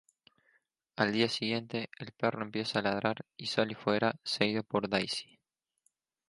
Al día siguiente, el perro empieza a ladrar y sale fuera, seguido por Daisy.